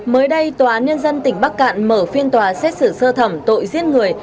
mới đây tòa án nhân dân tỉnh bắc cạn mở phiên tòa xét xử sơ thẩm tội giết người